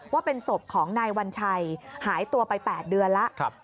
ว่าเป็นศพของนายวัญชัยหายตัวไป๘เดือนแล้ว